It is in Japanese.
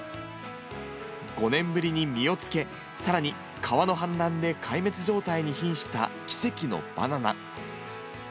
５年ぶりに実をつけ、さらに川の氾濫で壊滅状態にひんした奇跡のバナナ。